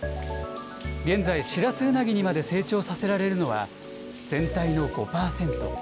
現在、シラスウナギにまで成長させられるのは全体の５％。